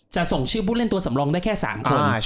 ส่งชื่อผู้เล่นตัวสำรองได้แค่๓คน